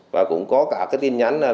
và cũng có cả cái tin nhắn